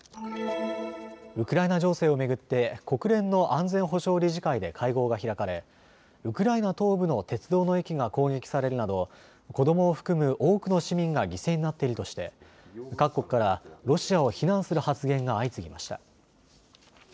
ウクライナ情勢を巡って国連の安全保障理事会で会合が開かれウクライナ東部の鉄道の駅が攻撃されるなど子どもを含む多くの市民が犠牲になっているとして各国からロシアを非難する発言が相次ぎました。